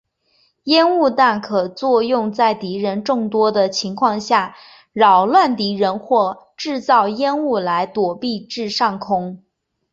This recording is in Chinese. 烟雾弹可用作在敌人众多的情况下扰乱敌人或是制造烟雾来躲避至上空。